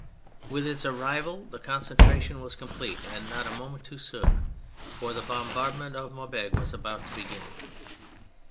With its arrival the concentration was complete, and not a moment too soon, for the bombard ment of Maubeuge was about to begin.